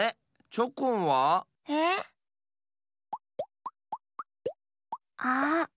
チョコンは？えっ？あっ！